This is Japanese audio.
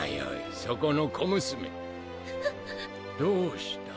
どうした？